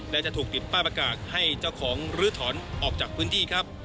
และจะถูกติดป้ายประกาศให้เจ้าของลื้อถอนออกจากพื้นที่ครับ